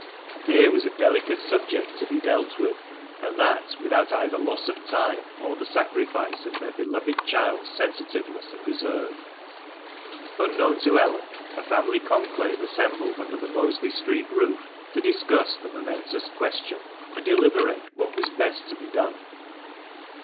Here was a delicate subject to be dealt with, and that without either loss of time or the sacrifice of their beloved child's sensitiveness and reserve. Unknown to Ellen, a family conclave assembled under the Mosley Street roof, to discuss the momentous question, and deliberate what was best to be done.